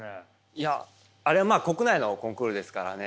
いやあれはまあ国内のコンクールですからね。